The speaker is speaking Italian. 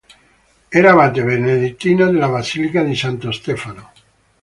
Era abate benedettino della basilica di Santo Stefano.